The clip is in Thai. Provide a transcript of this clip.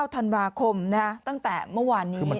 ๑๙ธันวาคมนะครับตั้งแต่เมื่อวานนี้ใช่ไหม